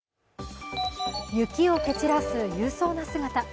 雪を蹴散らす勇壮な姿。